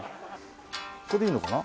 ここでいいのかな？